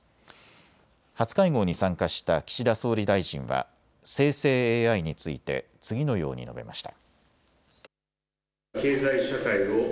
初会合に参加した岸田総理大臣は生成ＡＩについて次のように述べました。